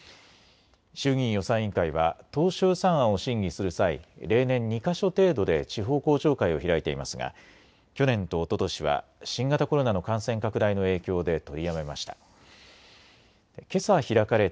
衆議院予算委員会は当初予算案を審議する際、例年２か所程度で地方公聴会を開いていますが去年とおととしは新型コロナの感染拡大の影響で取りやめました。